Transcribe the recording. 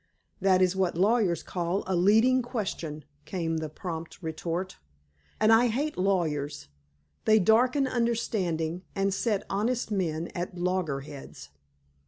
"That is what lawyers call a leading question," came the prompt retort. "And I hate lawyers. They darken understanding, and set honest men at loggerheads."